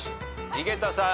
井桁さん。